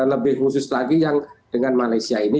lebih khusus lagi yang dengan malaysia ini